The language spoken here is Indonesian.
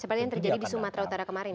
seperti yang terjadi di sumatera utara kemarin